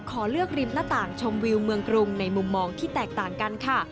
ขอเลือกริมหน้าต่างชมวิวเมืองกรุงในมุมมองที่แตกต่างกันค่ะ